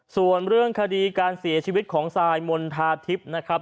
ส่วนเรื่องคดีการเสียชีวิตของซายมณฑาทิพย์นะครับ